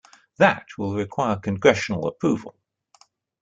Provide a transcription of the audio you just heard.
That will require congressional approval.